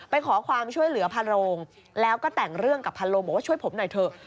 ไปขอความช่วยเหลือพันโรงแล้วก็แต่งเรื่องกับพันโรงบอกว่าช่วยผมหน่อยเถอะ